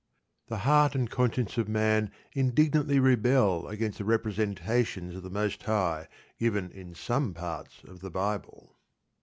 The heart and conscience of man indignantly rebel against the representations of the Most High given in some parts of the Bible.